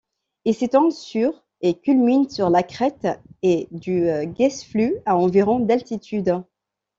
Il s'étend sur et culmine sur la crête est du Geissflue à environ d'altitude.